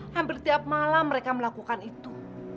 hampir tiap malam mereka melakukan itu